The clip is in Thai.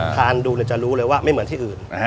ทานดูจะรู้เลยว่าไม่เหมือนที่อื่น